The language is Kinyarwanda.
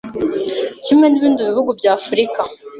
Kimwe n’ibindi bihugu bya Afurika,